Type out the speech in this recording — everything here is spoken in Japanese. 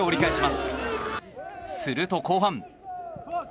すると後半。